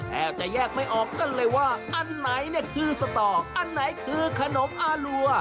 แทบจะแยกไม่ออกกันเลยว่าอันไหนเนี่ยคือสตออันไหนคือขนมอารัว